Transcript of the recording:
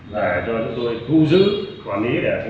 và cho chúng tôi thu giữ quản lý để phục vụ cho điều tra